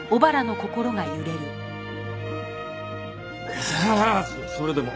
いやあそれでも。